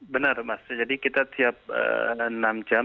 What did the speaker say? benar mas jadi kita tiap enam jam